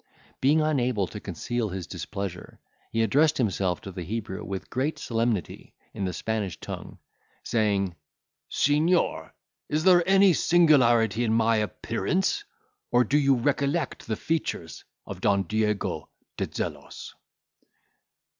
Being unable to conceal his displeasure, he addressed himself to the Hebrew, with great solemnity, in the Spanish tongue, saving, "Signior, is there any singularity in my appearance? or, do you recollect the features of Don Diego de Zelos?"